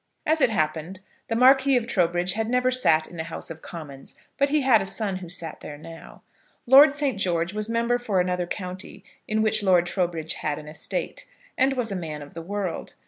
As it happened, the Marquis of Trowbridge had never sat in the House of Commons, but he had a son who sat there now. Lord St. George was member for another county in which Lord Trowbridge had an estate, and was a man of the world.